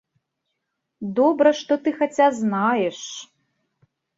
Добра, што ты хаця знаеш!